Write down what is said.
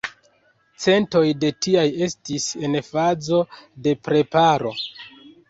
Centoj de tiaj estis en fazo de preparo.